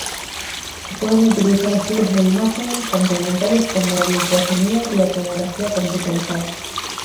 Se pueden utilizar estudios de imagen complementarios como el ultrasonido y la tomografía computarizada.